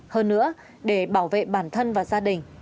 hơn nữa để bảo vệ bản thân và gia đình